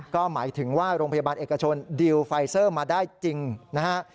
ก็หมายถึงว่าโรงพยาบาลเอกชนดีลไฟเซอร์มาได้จริงนะฮะ